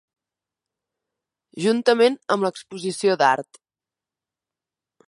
Juntament amb l'exposició d'art.